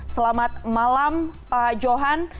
selamat malam pak johan